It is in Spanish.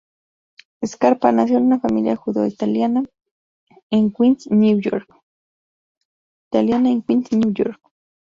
Scarpa nació en una familia judeo-italiana en Queens, Nueva York.